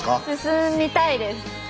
進みたいです。